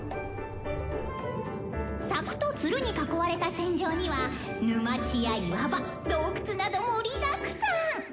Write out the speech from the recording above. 「柵とツルに囲われた戦場には沼地や岩場洞窟など盛りだくさん！」。